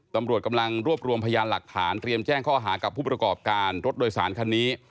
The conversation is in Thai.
ตำรวจกำลังรวบรวมพยานหลักฐานเตรียมแจ้งข้อหากับผู้ประกอบการรถโดยสารคันนี้